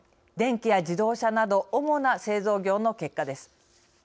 電機や自動車など主な製造業の結果です。